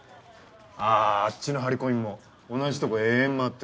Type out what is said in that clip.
ああっちの張り込みも同じとこ延々回ってる。